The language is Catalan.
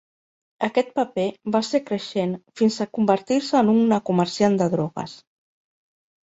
Aquest paper va ser creixent fins a convertir-se en una comerciant de drogues.